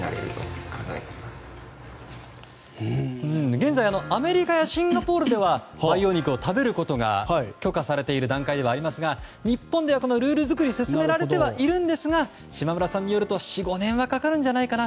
現在アメリカやシンガポールでは培養肉を食べることが許可されている段階ではありますが日本では、このルール作りが進められてはいるんですが島村さんによると４５年はかかるんじゃないかな